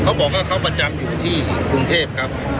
เขาบอกว่าเขาประจำอยู่ที่กรุงเทพครับ